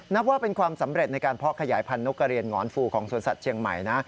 นับว่าเป็นความสำเร็จในการเพาะขยายพันธกกระเรียนหงอนฟูของสวนสัตว์เชียงใหม่นะ